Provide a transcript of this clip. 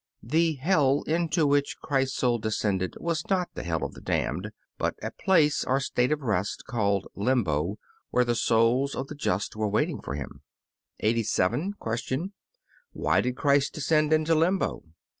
The hell into which Christ's soul descended was not the hell of the damned, but a place or state of rest called Limbo, where the souls of the just were waiting for Him. 87. Q. Why did Christ descend into Limbo?